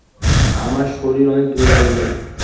আমার শরীর অনেক দূর্বল লাগে।